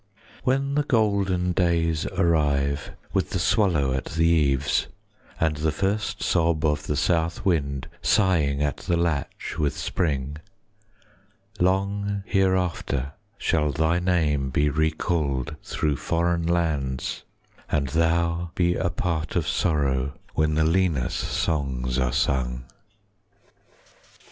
When the golden days arrive, With the swallow at the eaves, And the first sob of the south wind Sighing at the latch with spring, 40 Long hereafter shall thy name Be recalled through foreign lands, And thou be a part of sorrow When the Linus songs are sung.